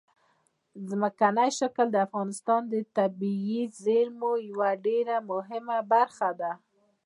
ځمکنی شکل د افغانستان د طبیعي زیرمو یوه ډېره مهمه برخه ده.